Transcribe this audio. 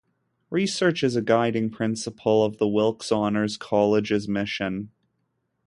Research is a guiding principle of the Wilkes Honors College's mission.